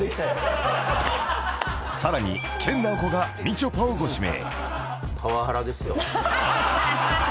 ［さらに研ナオコがみちょぱをご指名］